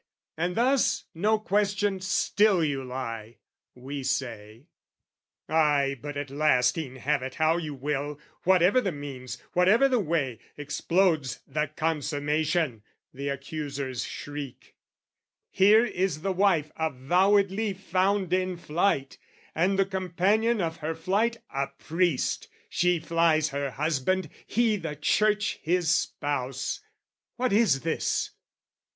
"And thus, no question, still you lie," we say. "Ay, but at last, e'en have it how you will, "Whatever the means, whatever the way, explodes "The consummation" the accusers shriek: "Here is the wife avowedly found in flight, "And the companion of her flight, a priest; "She flies her husband, he the church his spouse: "What is this?"